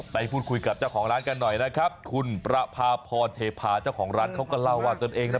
ไปพูดคุยกับเจ้าของร้านกันหน่อยนะครับคุณประพาพรเทพาเจ้าของร้านเขาก็เล่าว่าตนเองนะ